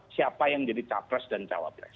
siapa yang menjadi capres dan cawapres